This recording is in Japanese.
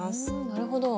なるほど。